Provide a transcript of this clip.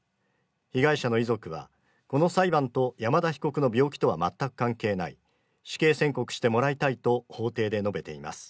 被害者の遺族はこの裁判と、山田被告の病気とは全く関係ない死刑宣告してもらいたいと、法廷で述べています。